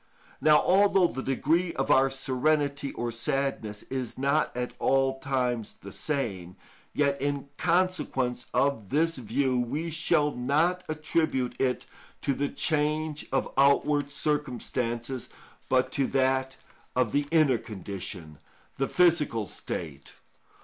Now although the degree of our serenity or sadness is not at all times the same, yet, in consequence of this view, we shall not attribute it to the change of outward circumstances, but to that of the inner condition, the physical state.